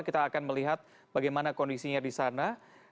kita akan melihat bagaimana kondisinya di sana